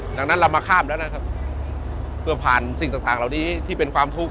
ดังนั้นเรามาข้ามแล้วนะครับเพื่อผ่านสิ่งต่างเหล่านี้ที่เป็นความทุกข์